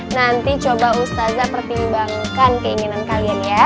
nanti coba ustaz astaz pertimbangkan keinginan kalian ya